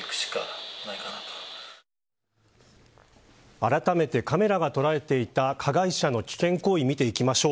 あらためてカメラが捉えていた加害者の危険行為見ていきましょう。